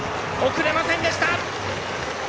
送れませんでした！